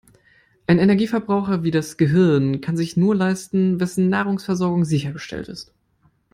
Einen Energieverbraucher wie das Gehirn kann sich nur leisten, wessen Nahrungsversorgung sichergestellt ist.